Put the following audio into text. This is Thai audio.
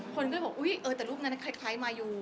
คนก็เลยบอกอุ๊ยแต่รูปนั้นใครมายู